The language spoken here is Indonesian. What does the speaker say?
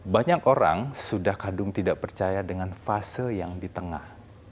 banyak orang sudah kadung tidak percaya dengan fase yang di tengah